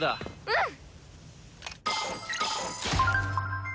うん！